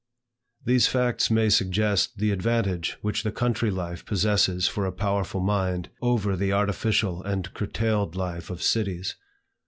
These facts may suggest the advantage which the country life possesses for a powerful mind, over the artificial and curtailed life of cities.